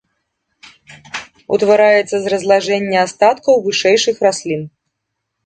Утвараецца з разлажэння астаткаў вышэйшых раслін.